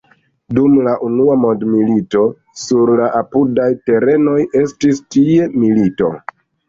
Dum la Unua Mondmilito sur la apudaj terenoj estis tie milito.